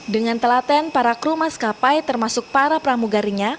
dengan telaten para kru maskapai termasuk para pramugarinya